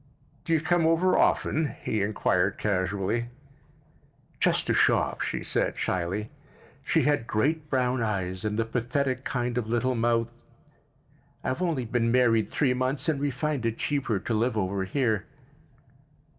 "Do you come over often?" he inquired casually. "Just to shop," she said shyly. She had great brown eyes and the pathetic kind of little mouth. "I've only been married three months, and we find it cheaper to live over here."